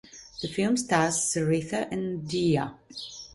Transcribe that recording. The film stars Saritha and Nadhiya.